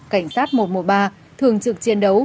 cảnh sát một trăm một mươi ba thường trực chiến đấu